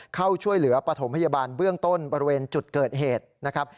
เข้าช่วยเหลือปฐมพยาบาลเบื้องต้นบริเวณจุดเกิดเหตุนะครับ